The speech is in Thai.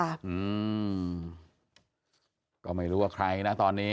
ที่เหลือก็อยู่ระหว่างกันตามตัวค่ะ